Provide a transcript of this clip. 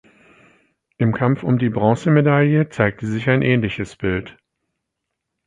Im Kampf um die Bronzemedaille zeigte sich ein ähnliches Bild.